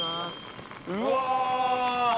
うわ！